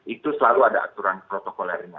itu selalu ada aturan protokolernya